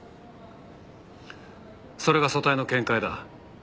それが組対の見解だ。